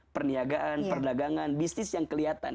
perniagaan perdagangan bisnis yang kelihatan